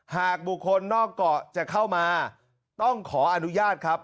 หากบุคคลนอกเกาะจะเข้ามาต้องขออนุญาตครับ